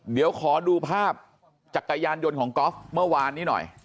เดี๋ยวขอดูภาพจักรยานยนต์ของกอล์ฟเมื่อวานนี้หน่อย